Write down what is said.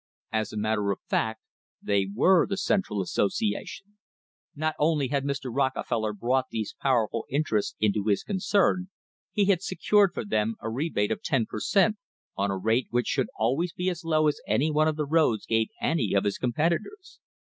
As a matter of fact they were the "Central Association." Not only had Mr. Rockefeller brought these powerful interests into his concern; he had secured for them a rebate of ten per cent, on a rate which should always be as low as any one of the roads gave any of his competitors.